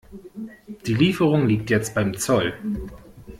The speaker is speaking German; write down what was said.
Die Lieferung liegt jetzt beim Zoll.